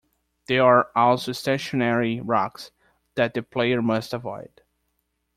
There are also stationary rocks that the player must avoid.